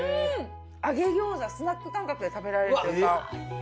揚げ餃子スナック感覚で食べられる。